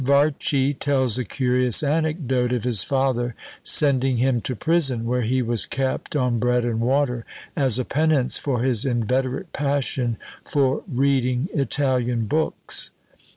Varchi tells a curious anecdote of his father sending him to prison, where he was kept on bread and water, as a penance for his inveterate passion for reading Italian books!